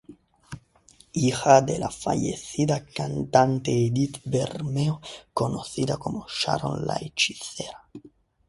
Hija de la fallecida cantante Edith Bermeo, conocida como Sharon la Hechicera.